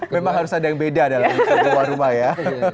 memang harus ada yang beda dalam bisa keluar rumah ya